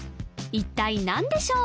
一体何でしょう？